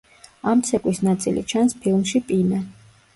ამ ცეკვის ნაწილი ჩანს ფილმში „პინა“.